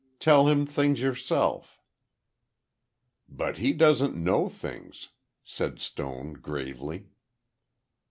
Tell him things yourself—" "But he doesn't know things—" said Stone, gravely.